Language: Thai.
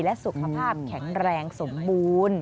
และสุขภาพแข็งแรงสมบูรณ์